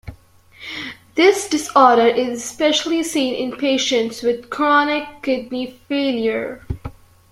This disorder is especially seen in patients with chronic kidney failure.